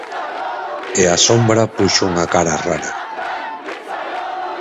E a sombra puxo unha cara rara.